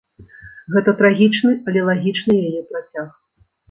Гэта трагічны, але лагічны яе працяг.